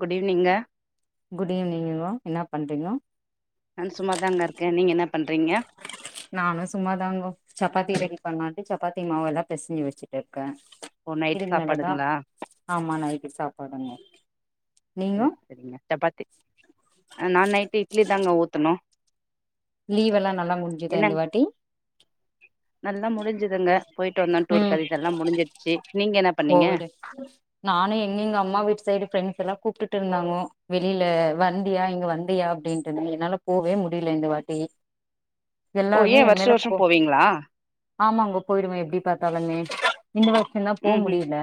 Good evening good ஈவ்னிங்மா என்ன பண்ணுறீங்க நா சும்மாதாங்க இருக்கே நீங்க என்ன பண்றீங்க நானு சும்மாதாங்க சப்பாத்தி ரெடி பண்லாண்ட்டு சப்பாத்தி மாவு தா பெசிஞ்சு வச்சுட்டு இருக்கே ஓ நைட் இனிமேலுதா சாப்பாடுங்களா ஆமா நைட்டுக்கு சாப்பாடுங்க சரி நீங்கோ சரிங்க சப்பாத்தி நா நைட்டு இட்லி தாங்க ஊத்தனு லீவெல்லா நல்லா முடிஞ்சுதா இந்த வாட்டி நல்லா முடிஞ்சுதுங்க போய்ட்டு வந்தோ டூருக்கு ம் அது இதல்லா முடிஞ்சிருச்சு நீங்க என்ன பண்ணீங்க கோவிடு நானு எங்க எங்க அம்மா வீட்டு சைடு ஃப்ரெண்ட்ஸ்லா கூப்ட்டுட்டு இருந்தாங்க வெளியில வந்தியா இங்க வந்தியா அப்டின் என்னால போவே முடியல இந்த வாட்டி ஓ எல்லாருமே ஏ என் வருஷ மேல வருஷ கோ போவீங்களா ஆமாங்க போயிருந்த எப்டி பாத்தாலுமே இந்த வருஷோதா ம் ம் போமுடில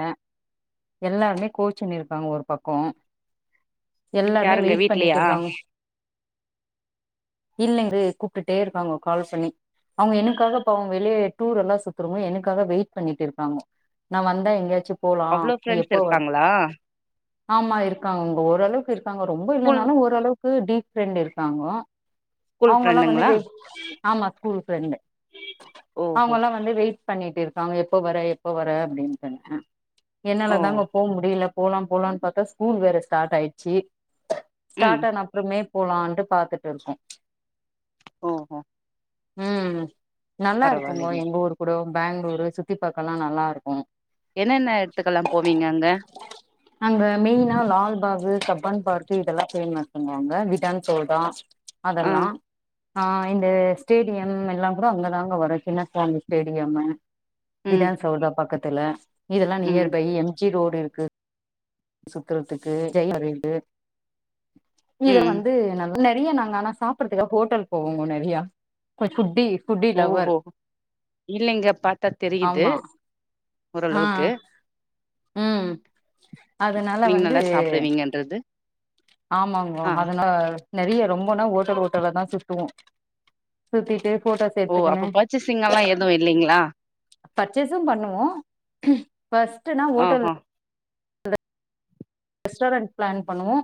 எஎல்லாருமே கோச்சுண்ணு இருக்காங்க ஒரு பக்கோ எல்லாருமே யாருங்க வெயிட் பண்ணிட்டு வீட்லயா இருக்காங்க இல்லைங்க கூப்ட்டுட்டே இருக்காங்க கால் பண்ணி அவுங்க எனக்காக இப்ப அவுங்க வெளிய டூரெல்லா சுத்துரவங்க எனக்காக வெயிட் பண்ணிட்டு இருக்காங்க நா வந்தா எங்கயாச்சு போலா அவ்ளோ நீ ஃப்ரெண்ட்ஸ் எப்போ வரு இருக்காங்களா ஆமா இருக்காங்க உங்க ஓரளவுக்கு இருக்காங்க ரொம்ப ஸ்கூல் இல்லனாலு ஓரளவுக்கு டீப் ஃப்ரெண்ட் இருக்காங்க ஸ்கூல் அவுங்கல்லா வந்து ஃப்ரெண்டுங்களா வெயிட் ஆமா ஸ்கூல் ஃப்ரெண்டு ஓஹோ அவுங்கல்லா வந் வெய்ட் பண்ணிட்டு இருக்காங்க எப்ப வர எப்ப வர அப்டின்னு என்னால ஓ தாங்க போ முடில போலா போலான்னு பாத்தா ஸ்கூல் வேற ஸ்டார்ட் ஆயிருச்சு ம் ஸ்டார்ட் ஆன பொறுமையா போலான்ட்டு பாத்துட்டு இருக்கோ ஓ ம் நல்லா இருக்குங்க பரவாயில்லைங்க எங்க ஊரு கூட பேங்களூரு சுத்தி பாக்கல்லா நல்லாருக்கு என்னென்ன எடுத்துக்கெல்லா போவீங்க அங்க அங்க மெயினா லால்பாகு சப்பான் பார்க்கு இதெல்லா பேமேக் பண்ணுவாங்க விதான் சோடா ஆ அதெல்லா ஆ இந்த ஸ்டேடியம் எல்லா கூட அங்கதாங்க வரு சின்னசுவாமி ஸ்டேடியமு ம் விதான் சௌதா பக்கத்துல இதெல்லா ம் நியர்பை எம் பீச் ரோடு இருக்கு சுத்துரதுக்கு [unintelligible] இத ம் வந்து நல்ல நெறைய நாங்க ஆனா சாப் புடுதற்கா ஹோட்டல் போவோ நொறைய கொஞ்சம் ஃபுட்டி ஃபுட்டி ஓ லவ்வர் ஓ இல்லங்க பாத்தா தெரியுது ஆமா ஆ ஓரளவுக்கு ம் அதனால வந்து என்றது ஆமாங்கோ அதுனா நெறைய ரொம்பனா ஓட்டல் ஓட்டலா தான் சுத்துவோம் சுத்திட்டு போட்டோஸ் ஓ எடுத்துக்குன்னு அப்ப பர்ச்சேசிங் எல்லாம் எதுவும் இல்லைங்களா பர்ச்சேஸும் பண்ணுவோம் ஃபஸ்ட்னா ஓட்டல் ஆஹா ரெஸ்ட்டாரண்ட் பிளான் பண்ணுவோம்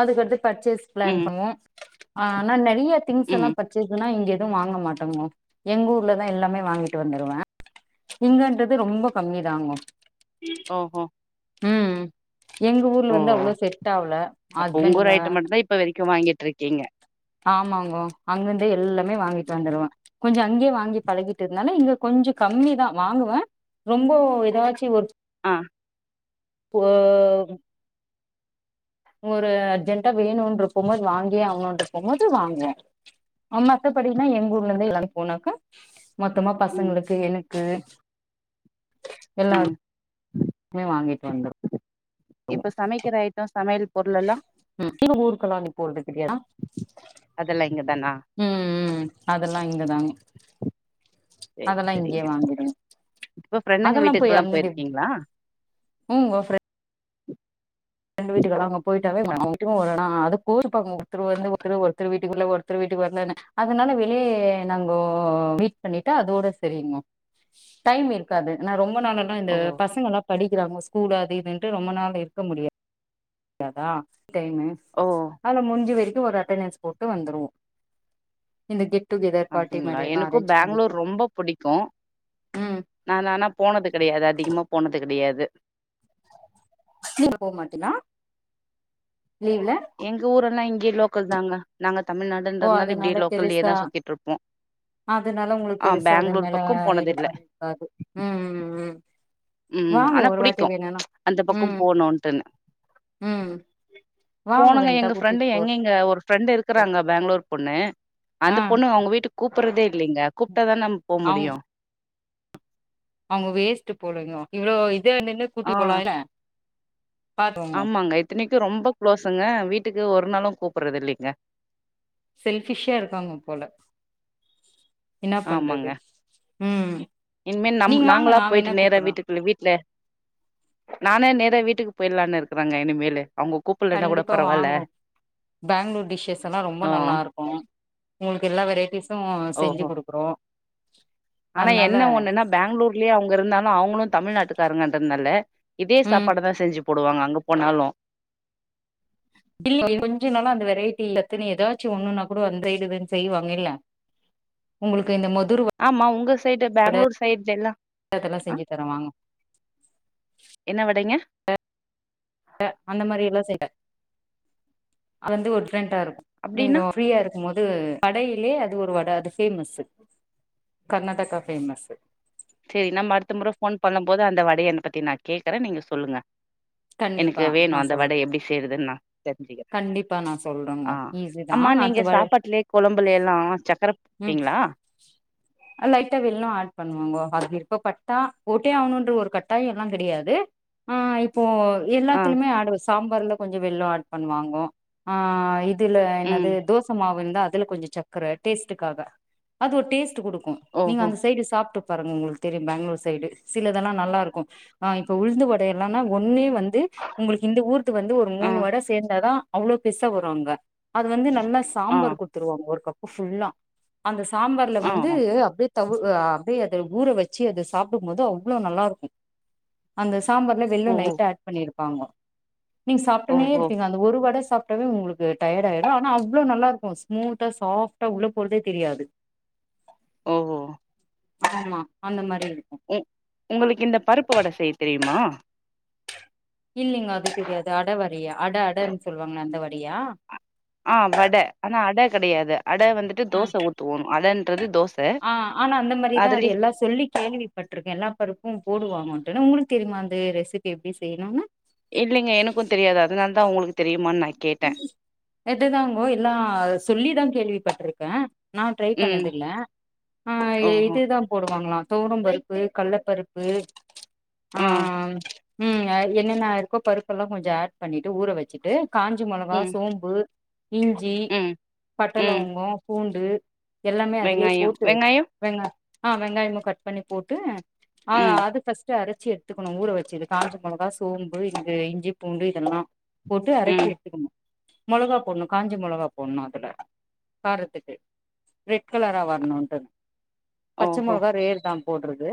அதுக்கடுத்து பர்சஸ் பிளான் ம் பண்ணுவோம் ஆனா நெறைய திங்ஸ் ம் எல்லாம் ப ர்சேஸ்னா இங்க எதுவும் வாங்க மாட்டோங்கோ எங்க ஊர்லதா எல்லாமே வாங்கிட்டு வந்துருவேன் இங்கன்றது ரொம்ப கம்மிதாங்கோ ஓஹோ ம் எங்க ஓ ஊர்ல வந்து அவ்வளோ செட் ஆவ்ல அப்ப உங்க ஊர் அர்பன்னு ஐட்டம் மட்டுந்தா இப்ப வரைக்கும் வாங்கிட்டு இருக்கீங்க ஆமாங்கோ அங்கிருந்தே எல்லாமே வாங்கிட்டு வந்துருவேன் கொஞ்சம் அங்கேயே வாங்கி பழகிட்டு இருந்தால இங்க கொஞ்சம் கம்மி தா வாங்குவேன் ரொம்போ ஏதாச்சு ஒரு ஆ ஓ ஒரு அர்ஜென்ட்டா வேணும்னு இருக்கும் போது வாங்கே ஆகணும்னு இருக்கும்போது வாங்குவோ ஆ மத்தபடினா எங்க ஊர்ல இருந்தே எல்லாமே ஒனக்கு மொத்தமா ம் பசங்களுக்கு எனக்கு எல்லாரு ம் க்மே வாங்கிட்டு வந்துர் இப்ப சமைக்கிற ஐட்டொ சமையல் பொருள் எல்லாம் ம் லீவுக்கு ஊருக்கெல்லாம் நீ போதுக்குரியாடா அதெல்லாம் இங்க தானா ம் ம் ம் அதெல்லாம் இங்கதாங்க சேரி அதெல்லாம் இங்கேயே சேரிங்க. வாங்கிடுவே இப்ப ஃப்ரெண்டுங்க அதெல்லாம் போய் வீட்டுக்கெல்லா அங்கந்து போயிருக்கீங்களா? உ ஓ ஃபிரெ ரெண்டு வீட்டுக்காரங்க போய் ட்டாவே [inaudible] வர நா அது கூர்ப்பாங்க ஒருத்தர் வந்து ஒருத்தர் வீட்டுக்கு வர்ல ஒருத்தர் வீட்டுக்கு வர்லனு அதனால வெளியே நாங்கோ மீட் பண்ணிட்டா அதோட சரியுங்கோ டைம் இருக்காது ஏனா ரொம்ப நாள் எல்லாம் ஓ இந்த பசங்க எல்லாம் படிக்கிறாங்க ஸ்கூல் அது இதுட்டு ரொம்ப நாள் இருக்க முடியா யாதா டைமு ஓ அதன முடிஞ்சு வரைக்கும் ஒரு அண்டன்டஸ் போட்டு வந்துருவோ இந்த டிப் அப்டிங்களா எனக்கும் பெங்களூர் ரொம்ப பிடி க்கும் ம் நா நானா போனது கிடையாது அதிகமா போனது கிடையாது [inaudible] போ மாட்டினா லீவ்ல எங்க ஊர் என்ன இங்கயே லோக்கல் தாங்க நாங்க ஓ தமிழ்நாடுன்றதுல இப்டியே அதனால லோக்கல்லயே பெருசா தான் சுத்திட்டு இருப்போம் அதனால உங்களுக்கு பெருசா அது மேல இருக்க போனதில்ல இருக்காது ம் ம் ம் வாங்க ஆனா ஒரு வாட்டி புடிக்கும் வேணுனா அந்த பக்கம் ம் போணும்ட்டுன்னு ம் வாங்க போனுங்க வேண்டா எங்க ஃபிரெண்டு கூட்டிட்டு போற எங்கங்க ஒரு ஃப்ரெண்டு் இருக்கிறாங்க பெங்களூர் பொண்ணு அந்த ஆ பொண்ணு அவங்க வீட்டுக்கு கூப்பறதே இல்லிங்க கூப்ட்டா தான் நம் போ அவுங் முடியு அவுங்க வேஸ்ட்டு போலிங்கோ இவ்ளோ இதா இந்துன்னு கூட்டி ஆ போலா இல்ல ஆமாங்க இத்தினைக்கு ரொம்ப குளோஸுங்க வீட்டுக்கு ஒரு நாளு கூப்பறது இல்லிங்க செல்பிஷ்ஷா இருக்காங்க போல என்னா பண்றது ஆமாங்க ம் இனிமே நம் நீங்க வாங்க நாங்களா நா போயிட்டு வேனா நேரா கூப்புற்றே வீட்டுக்குள்ள வீட்ல நானே நேர வீட்டுக்கு போயில்லான்னு இருக்கறாங்க இனிமேலு அவுங்கோ கண்டிப்பாக வாங்கோ பெங்களூர் டிஷ்ஷஸ் எல்லா ரொம்ப ஆ நல்லா இருக் கு உங்களுக்கு எல்லா வெரைட்டிஸு ஓஹோ செஞ்சு குடுக்கறோ ஆனா என்ன ஒன்னுன்னா பெங்களூர்லயே அவங்க இருந்தாலு அவங்களு தமிழ்நாட்டுக்காருங்கன்றனால இதே ம் சாப்பாட தா செஞ்சு போடுவாங்க அங்க போனாலு இல் கொஞ்ச நாளா அந்த வெரைட்டி எல்லாத்துன்னு ஏதாச்சு ஒண்ணுன்னா கூட அந்த சைடுன்னு செய்வாங்க இல்ல உங்குளுக்கு இந்த மதுர ஆமா உங்க சைடு பெங்களூர் சைட்ல எல்லா வட அதெல்லா ஆ செஞ்சு தரே வாங்க என்ன வடைங்க அ அந்த மாரி எல்லா செய்வே அது வந்து ஒரு ட்ரெண்டா இருக்கு அப்டின்னா நீங்கோ பீரியா இருக்கும் போது கடையிலே அது ஒரு வட அது பேமஸ்ஸு கர்நாடகா ஃபேமஸ்ஸு செரி நம்ம அடுத்த முற போன் பண்ணும் போது அந்த வடைய பத்தி நா கேக்குறே நீங்க சொல்லுங்க [inaudible] கண்டிப்பா எனக்கு வேணு நா அந்த சொல் வட எப்டி செய்யறதுன்னு நா தெரிஞ்சுக்கிறே கண்டிப்பா நா ஆ சொல்றங்க ஈஸி தா ஆமா அடுத்த வா [unintelligible] கொழம்புல எல்லா சக்கர போடுவிங்ளா [unintelligible] லைட்டா வெல்லோ ஆட் பண்ணுவங்கோ அது விருப்பட்டா போட்டே ஆகணுன்ற ஒரு கட்டாயோ எல்லா கெடையாது ஆ இப்போ ஆ எல்லாத்துலயுமே ஆடு சாம்பார்லா கொஞ்சோ வெல்லோ ஆட் பண்ணுவாங்கோ ஆ இப் அதுல ம் என்னது தோச மாவு இருந்தா அதுல கொஞ்ச சக்க டேஸ்ட்டுக்காக அது ஒரு டேஸ்ட் குடுக்கு நீங்க ஓஹோ அந்த சைடு சாப்ட்டுப் பாருங்க உங்குளுக்கு தெரியு பெங்களூர் சைடு சிலதெல்லா நல்லா இருக்கும் அ இப்ப உழுந்து வட எல்லானா ஒண்ணே வந்து உங்களுக்கு இந்த ஊருத்து வந்து ஒரு ஆ மூணு வட சேர்ந்தா அவ்ளோ பெருசா வரு அங்க அது வந்து நல்லா ஆ சாம்பார் குடுத்துருவாங்கோ ஒரு கப்பு ஃபுல்லா அந்த சாம்பார்ல ஆ வந்து அப்டியே தவுவா அத ஊற வெச்சி அதை சாப்டும்போது அவ்ளோ நல்லா இருக்கு அந்த சாம்பார்ல வெல்லோ ஓ லைட்டா ஆட் பண்ணிருப்பாங்கோ நீங் சாப்ட்டுனே ஓஹோ இருப்பீங்க ஒரு வட சாப்ட்டாவே உங்குளுக்கு டயார்ட் ஆயிடு ஆனா அவ்ளோ நல்லா இருக்கு ஸ்மூத்தா சாஃப்டா உள்ள போறதே தெரியாது [inaudible] ஓஹோ ஆமா அந்த மாரி இருக்கு ம் உங்களுக்கு இந்த பருப்பு வட செய்ய தெரியுமா? இல்லிங்க அது தெரியாது அட வடையா அட அடன்னு சொல்லுவாங்களே அந்த வடயா ஆ வட ஆனா அட கெடையாது அட வந்துட்டு ம் தோச ஊத்துவோ அடன்றது தோச ஆ ஆனா அந்த மாரிதா அது அதுலே எல்லா சொல்லி கேள்விப்பட்டிருக்கு எல்லா பருப்பும் போடுவாங்கோன்ட்டுனு உங்குளுக்கு தெரியுமா அந்த ரெசிபி எப்டி செய்ணுனு இல்லிங்க எனக்கு தெரியாது அதனால தா உங்குளுக்கு தெரியுமானு நா கேட்டே இதுதாங்கோ எல்லா சொல்லிதா கேள்விப்பட்டிருக்கே நா ட்ரை ம் பண்ணதில்ல ஆ ஓஹோ இதுதா போடுவாங்களா துவரம் பருப்பு, கள்ளப்பருப்பு ஆ உம் என்னென்ன இருக்கோ பருப்ப எல்லா கொஞ்ச ஆட் பண்ணிட்டு ஊற வெச்சுட்டு காஞ்ச மொளகா, ம் சோம்பு, இஞ்சி, ம் பட்ட, ம் இலவங்கம், பூண்டு எல்லாமே அதுலயே வெங்காயோ போட்டு வெங்காயோ வெங்கா ஆ வெங்காயமு கட் பண்ணி போட்டு ஆ ம் அது ஃபஸ்ட் அரைச்சு எடுத்துக்கணு ஊற வச்சது காஞ்ச மொளகா, சோம்பு, இந்த இஞ்சி, பூண்டு இதெல்லா போட்டு அரைச்சு ம் எடுத்துக்கணு மொளகா போடணு காஞ்ச மொளகா போடணு அதுல காரத்துக்கு ரெட் கலரா வரணுட்டு பச்சை ஓஹோ மொளகா ரேர் தா போட்றது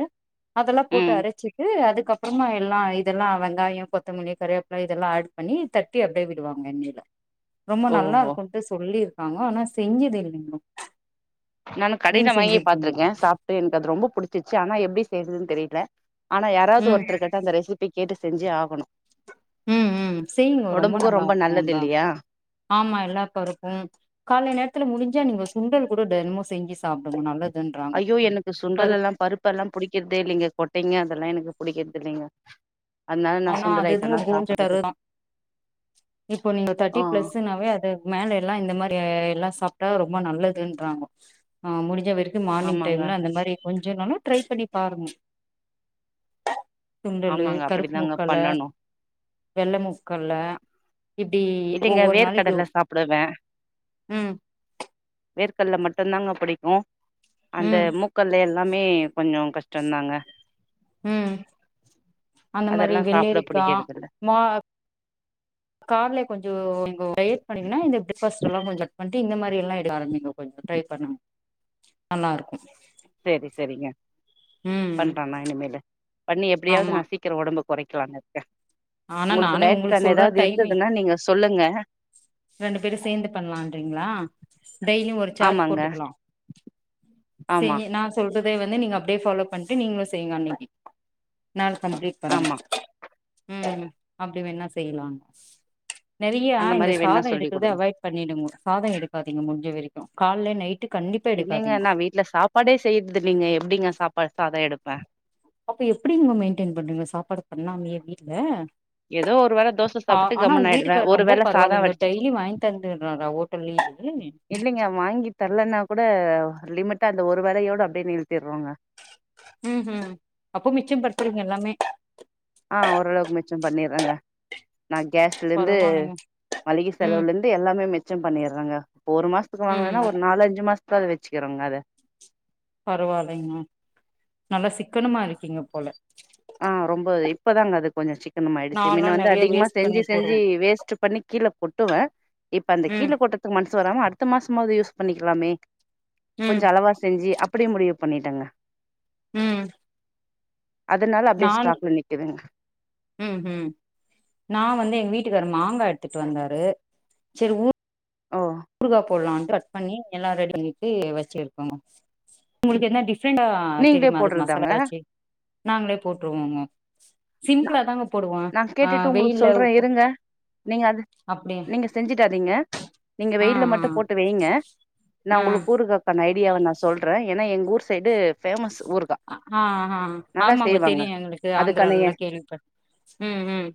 அதெல்லா போட்டு ம் அரைச்சிட்டு அதுக்கப்பறமா எல்லா இதெல்லா வெங்காயம், கொத்தமல்லி, கருவேப்பில்ல இதெல்லா ஆட் பண்ணி தட்டி அப்படியே விடுவாங்க எண்ணெல ரொம்ப நல்லா ஓஹோ இருக்குனட்டு சொல்லிருக்காங்க ஆனா செஞ்சது இல்லைங்க நானு கடையில வாங்கி பாத்திருக்கே சாப் டு எனக்கு அது ரொம்ப புடிச்சிச்சு ஆனா எப்டி செய்றதுன்னு தெரியல ஆனா யாராவது ம் ஒருத்தரு க த்தா அந்த ரெசிபி கேட்டு செஞ்சே ஆகணு ம், ம் செய்ங்க ரொம்ப ஒடம்புக்கு நல்லா நல்லது இருக்குன்றாங்க இல்லையா ஆமா எல்லா பருப்பு காலை நேரத்துல முடிஞ்சா நீங்க சுண்டல் கூட தினமு செஞ்சு சாப்டுங்க நல்லது ஐயோ எனக்கு சுண்டல் எல்லா பருப்பெல்லா புடிக்குறதே இல்லைங்க கொட்டைங்க அதெல்லா எனக்கு புடிக்கிறது இல்லைங்க அதனால நா ஆனா சுண்டல் அது என்னமோ ஐட்டம்னா போன்ஸ் சாப்புட்றது தருதா இப்போ நீங்க தேர்ட்டி பிளஸ்னாவே அது மேல எல்லா இந்த மாரி எல்லா சாப்ட்டா ரொம்ப நல்லதுன்றாங்க அ முடிஞ்சா வெறு து மார்னிங் ஆமாங்க டைம்ல அந்த மாரி கொஞ்சனாலு ட்ரை பண்ணி பாருங்க சுண்டலு ஆமாங்க கருப்பு அப்டிதாங்க முக்கல்ல பண்ணணு வெள்ள முக்கல்ல இப்டி இல்லங்க ஒவ்வொரு நாளைக்கு வேர்க்கடல சாப்பிடுவே ம் வேர்க்கல்ல மட்டும்தாங்க புடிக்கு அந்த ம் முக் கல்ல எல்லாமே கொஞ்சோ கஷ்டந்தாங்க ம் அந்த மாரி அதெல்லா சாப்ட வெள்ளேரிக்கா புடிக்கிறதில்ல மா கால்லே கொஞ்சோ நீங்க டயட் பண்ணீங்கா இந்த பிரேக் ஃபாஸ்ட் எல்லா கொஞ்சோ கட் பண்ணிட்டு இந்த மாரி எல்லா எடுக்க ஆரம்பிங்க கொஞ்சோ ட்ரை பண்ணுங்க நல்லாருக்கு சேரி சேரிங்க ம் பண்ற நா இனிமேலு பண்ணி எப்டியாவது ஆமா நா சீ க்கிரோ ஒடம்பு கொறைக்கலானு இருக்க ஆனா உங்களுக்கு நானே டயட் பிளான் சொல்ற ஏதாவது டைமிங் இருந்ததுன்னா நீங்க சொல்லுங்க ரெண்டு பேரும் சேந்து பண்ணலாம்றீங்ளா டெய்லியு ஒரு சார்ட் ஆமாங்க போட்டுக்கலா, ஆமா சேரி நா சொல்றதே வந்து நீங்க அப்படியே ஃபாலோ பண்ணிட்டு நீங்களு செய்ங்க அன்னைக்கி, நானு கம்ப்ளீட் பண்ண ஆமா ம் அப்டி வேனா செய்லா, நெறைய அந்த இந்த மாரி வேணா சாதோ சொல்லி எடுக்கறத குடுங்க அவாய்ட் பண்ணிடுங்க சாதம் எடுக்காதிங்க முடிஞ்ச வரைக்கு கால்ல நைட்டு கண்டிப்பா இல்லைங்க எடுக்காதீங்க நா வீட்ல சாப்பாடே செய்றது இல்லைங்க எப்டிங்க சாப்பாடு சாதம் எடுப்பே அப்ப எப்படிங்க மெயின்டெயன் பண்றீங்க சாப்பாடு பண்ணாமையே வீட்ல ஏதோ ஒரு வேள தோச ஆ சாப்ட்டு ஆனா கம்முனு உங்க ஆயிடுவே வீட்டுக்காரு ஒரு ரொம்ப வேள சாதோ பரவாயில்லங்க வடிச்சிட்டு டெய்லி வாங்கி தந்துட்றாரா ஓ ட்டல்யே டெய்லி இல்லைங்க வாங்கி தரலன்னா கூட லிமிட்டா அந்த ஒரு வேளையோட அப்டியே நிறுத்திட்றோங்க ம்ஹூம் அப்ப மிச்சம் படுத்துறீங்க எல்லாமே ஆ ஓரளவுக்கு மிச்சம் பண்ணிட்றேங்க நா கேஸ்லேந்து பரவாயில்லைங்க மளிகை ம் செலவுல இருந்து எல்லாமே மிச்சம் பண்ணிட்றாங்க இப்ப ஒரு மாசத்துக்கு ம் வாங்குனன்னா ஒரு நாலு அஞ்சு மாச த்துக்கு வச்சிக்கிறோங்க அத பரவாயில்லைங்க, நல்லா சிக்கனமா இருக்கீங்க போல ஆ ரொம்ப இப்பதாங்க அது கொஞ்சோ சிக்கனமா ஆயிடுச்சு நான்லா முன்ன வந்து நெறைய அதிகமா வேஸ்ட் பண்ணி செஞ்சு செஞ்சு போடுவே வேஸ் ட் பண்ணி கீழ கொட்டுவ இப்ப அந்த கீழ ம் கொட்றதுக்கு மனசு வராம அடுத்த மாசமாவது யூஸ் பண்ணிக்கலாமே ம் கொஞ்சோ அளவா செஞ்சு அப்டியே முடிவு பண்ணிட்டங்க ம் அதனால அப்டியே நான் ஸ்டாக்கில நிக்குதுங்க ம் ம் நா வந்து எங்க வீட்டுக்கார மாங்கா எடுத்துட்டு வந்தாரு சரி ஊர் ஓ ஊருகா போலான் கட் பண்ணி எல்லா ரெடி பண்ணிட்டு வச்சிருக்கோங்க உங்களுக்கு என்ன டிஃப்ரெண்டா ஆ நீங்களே தெரியுமா அதுக்கு மசாலா போடுறதாங்க எதாச்சி நாங்களே போட்டுருவோங்க நா சிம்புளாதாங்க நா கேட்டுட்டு உங்களுக்கு சொல்றே இருங்க நீங்க அது அப்டியா நீங்க செஞ்சிட்டாதீங்க நீங்க ஆ வெயில்ல மட்டு போட்டு வைங்க நா ஆ உங்களுக்கு கூருக்கா பண்ண ஐடியாவ நா சொல்றே ஏன்னா எங்கள் ஊர் சைடு ஃபேமஸ் ஊருகா ஆ ஆ ஆமாங்க தெரியு எங்களுக்கு அதுக்கான எ ஆந்திரால்லா கேள்விபட் ம் ம்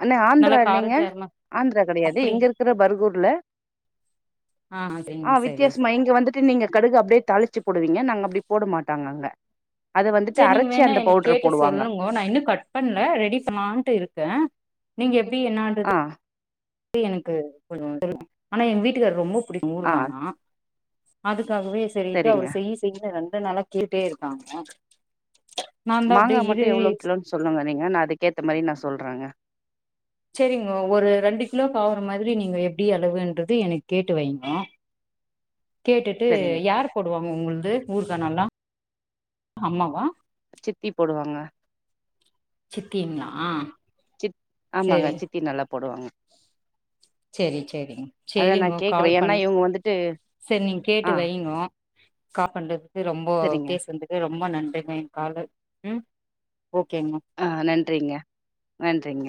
அண்ணே நல்லா ஆந்திரா இல்லைங்க காரஞ்சாரமா ஆந்திரா கெடையாது அப்டி இங்க இருக் க்கற பர்கர்கூர்ல ஆ ஆ சரிங்க சரி வித்தியாசமா இங்க வந்து த்து நீங்க கடுகு அப்டியே தாளிச்சி போடுவீங்க நாங்க அப்டி போடமாட்டாங்க அங்க அத வந்துட்டு அரைச்சி அந்த பவுடர போடுவாங்க ஓ நா இன்னு கட் பண்ணல ரெடி பண்ணாட்டு இருக்கே நீங்க எப்டி என்னாடு ஆ கே எனக்கு கொஞ்சோ தெல்ல ஆனா எங்க வீட்டுக்கரு ரொம்ப புடிக்கு ஆ ஊருகானா அதுக்காகவே சரிட்டு அவுரு சரிங்க செய்யி செய்யனு ரெண்டு நாளா கேட்டே இருக்காங்க நாதா மாங்கா அப்டியே மட்டு இரு எவ்ளோ கிலோன்னு சொல்லுங்க நீங்க நா அதுக்கேத்த மாரி நா சொல்றங்க சேரிங்கோ ஒரு ரெண்டு கிலோகாவற மாதிரி நீங்க எப்டி அளவுன்றது எனக்கு கேட்டு வைங்கோ கேட்டுட்டு சரிங்க யார் போடுவாங்க உங்களுது ஊருக்கா நல்லா அம்மாவா சித்தி போடுவாங்க சித்திங்களா சித் ஆமாங்க சேரிங் சித்தி நல்லா போடுவாங்க சேரி சேரிங் அத நா சேரிங்கோ கேக்குறே கால் ஏன்னா பண் இவங்க வந்துட்டு சேரி நீங்க கேட்டு ஆ வைங்கோ கா பண்றதுக்கு ரொம்போ சரிங்க பேசந்து க்கு ரொம்ப நன்றிங்க ஏ காலு ம் ஓகேங்கோ ஆ நன்றிங்க நன்றிங்க